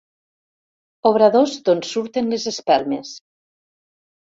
Obradors d'on surten les espelmes.